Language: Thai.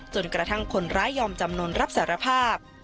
จนกระทั่งคนร้ายยอมจำนวนรับสารภาพ